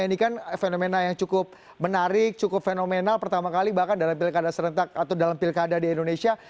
ini kan fenomena yang cukup menarik cukup fenomenal pertama kali bahkan dalam pilkada serentak atau dalam pilkada di indonesia